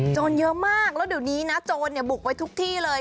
เยอะมากแล้วเดี๋ยวนี้นะโจรบุกไปทุกที่เลย